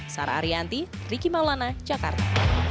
sarah arianti riki maulana jakarta